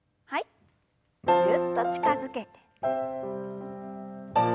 ぎゅっと近づけて。